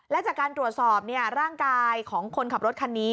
และจากการตรวจสอบร่างกายของคนขับรถคันนี้